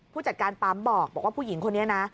ผู้จัดการปั๊มบอกว่าผู้หญิงคนนี้นะ